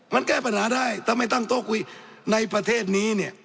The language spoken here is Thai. มันแก้ปัญหาได้ถ้าไม่ตั้งโต๊ะคุยในประเทศนี้เนี่ย